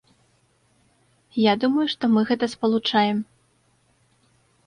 Я думаю, што мы гэта спалучаем.